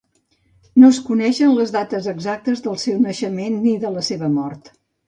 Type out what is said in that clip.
No es coneixen les dates exactes del seu naixement ni de la seva mort.